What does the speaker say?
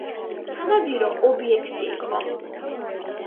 სანადირო ობიექტი იყო.